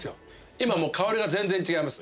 今もう香りが全然違います